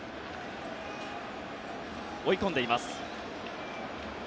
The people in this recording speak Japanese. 追い込んでいます。